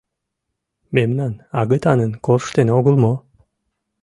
Мемнан агытанын корштен огыл мо?